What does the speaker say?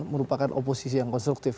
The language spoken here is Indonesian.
merupakan oposisi yang konstruktif